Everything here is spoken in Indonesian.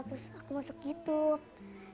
terus aku masuk youtube